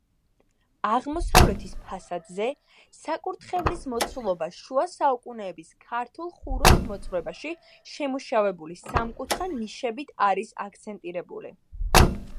აღმოსავლეთის ფასადზე საკურთხევლის მოცულობა შუა საუკუნეების ქართულ ხუროთმოძღვრებაში შემუშავებული სამკუთხა ნიშებით არის აქცენტირებული.